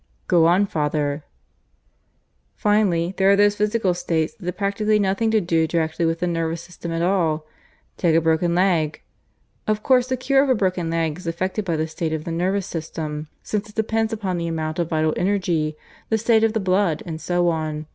"Go on, father." "Finally, there are those physical states that have practically nothing to do directly with the nervous system at all. Take a broken leg. Of course the cure of a broken leg is affected by the state of the nervous system, since it depends upon the amount of vital energy, the state of the blood, and so on.